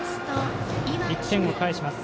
１点を返します。